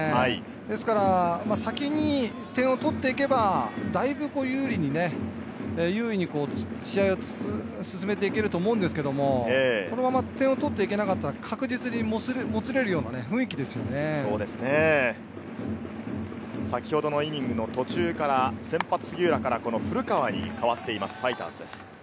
ですから先に点を取っていけば、だいぶ優位に試合を進めていけると思うんですけれども、このまま点を取って行けなかったら、確実にもつれるような雰囲気先ほどのイニングの途中から先発・杉浦からこの古川に代わっています、ファイターズです。